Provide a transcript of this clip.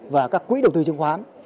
và các quỹ đầu tư chứng khoán